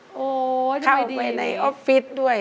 โอ้โฮทำไมดีอเรนนี่ก็เข้าไปในออฟฟิศด้วย